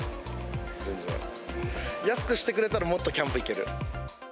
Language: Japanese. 全然。安くしてくれたら、もっとキャンプ行ける。